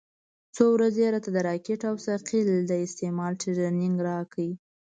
څو ورځې يې راته د راکټ او ثقيل د استعمال ټرېننگ راکړ.